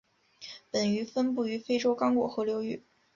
本鱼分布于非洲刚果河流域。